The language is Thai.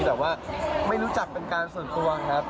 แต่ว่าไม่รู้จักเป็นการส่วนตัวครับ